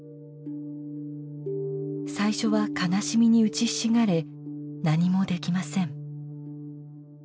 最初は悲しみに打ちひしがれ何もできません。